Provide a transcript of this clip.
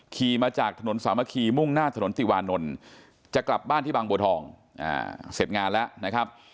ขี่มาจากถนนสามัคคีมุ่งหน้าถนนติวานนท์จะกลับบ้านที่บางบัวทองเสร็จงานแล้วนะครับ